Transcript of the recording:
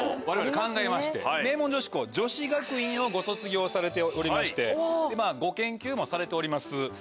我々考えまして名門女子校女子学院をご卒業されておりましてご研究もされております